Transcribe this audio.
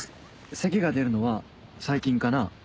せきが出るのは最近かな？